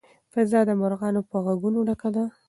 فضا د مرغانو په غږونو ډکه ده.